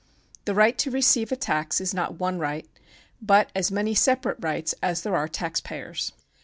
The right to receive a tax is not one right, but as many separate rights as there are tax payers.